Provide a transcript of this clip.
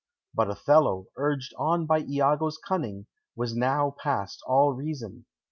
But Othello, urged on by Iago's cunning, was now past all reason.